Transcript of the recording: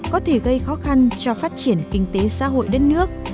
có thể gây khó khăn cho phát triển kinh tế xã hội đất nước